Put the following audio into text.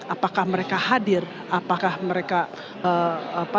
apakah mereka hadir apakah mereka bersama siapa pertemuannya dimana